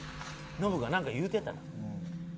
ノブがなんか言うてたな。